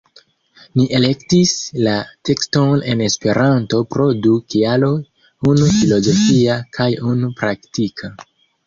Ni elektis la tekston en Esperanto pro du kialoj, unu filozofia kaj unu praktika.